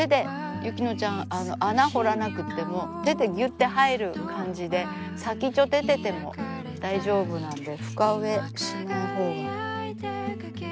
雪乃ちゃん穴掘らなくても手でギュッて入る感じで先っちょ出てても大丈夫なんで深植えしないほうが。